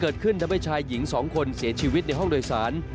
ทำให้ชายหญิง๒คนเสียชีวิตในห้องโดยสาร